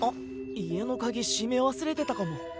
家のカギ閉め忘れてたかも！